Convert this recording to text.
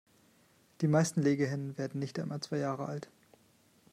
Die meisten Legehennen werden nicht einmal zwei Jahre alt.